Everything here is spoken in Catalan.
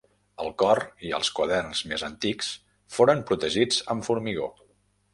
El cor i els quaderns més antics foren protegits amb formigó.